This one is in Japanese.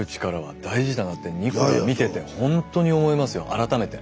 改めて。